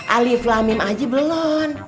alif lamim aja belum